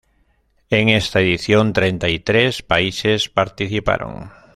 En esta edición, treinta y tres países participaron.